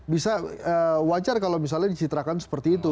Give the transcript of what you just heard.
bisa wajar kalau misalnya dicitrakan seperti itu